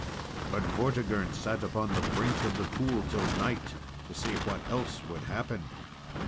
But Vortigern sat upon the brink of the pool till night to see what else would happen.